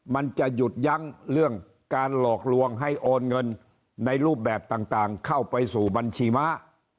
มันจะหยุดยั้งเรื่องการหลอกลวงให้โอนเงินในรูปแบบต่างเข้าไปสู่บัญชีม้า